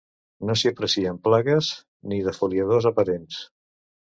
No s'hi aprecien plagues ni defoliadors aparents.